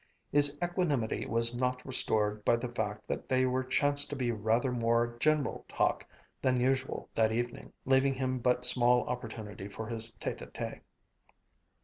His equanimity was not restored by the fact that there chanced to be rather more general talk than usual that evening, leaving him but small opportunity for his tête à tête.